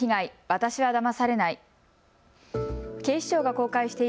私はだまされない。